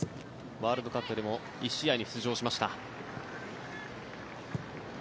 ワールドカップでも１試合に出場しました。